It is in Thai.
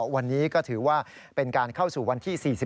วันนี้ก็ถือว่าเป็นการเข้าสู่วันที่๔๑